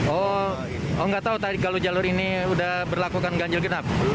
oh nggak tahu tadi kalau jalur ini sudah berlakukan ganjil genap